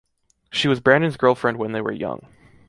She was Brandon’s girlfriend when they were young.